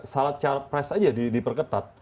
salah capres saja diperketat